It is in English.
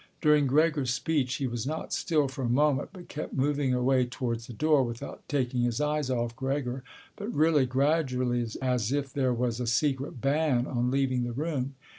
During Gregor's speech he was not still for a moment but kept moving away towards the door, without taking his eyes off Gregor, but really gradually, as if there was a secret ban on leaving the room.